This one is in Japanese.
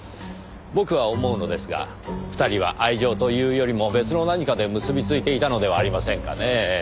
僕は思うのですが２人は愛情というよりも別の何かで結びついていたのではありませんかねぇ？